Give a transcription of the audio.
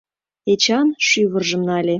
Эчан шӱвыржым нале.